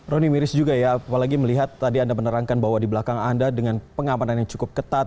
roni miris juga ya apalagi melihat tadi anda menerangkan bahwa di belakang anda dengan pengamanan yang cukup ketat